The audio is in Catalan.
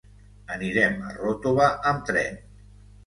Anirem a Ròtova amb tren.